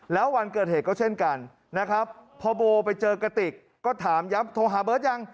แล้ววันเกิดเหตุก็เช่นกันนะครับพอโบไปเจอกระติกก็ถามย้ำโทรหาเบิร์ตยัง